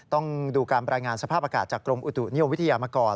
ต้องดูการรายงานสภาพอากาศจากกรมอุตุนิยมวิทยามาก่อน